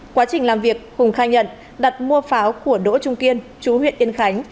quá trình làm việc hùng khai nhận đặt mua pháo của đỗ trung kiên chú huyện yên khánh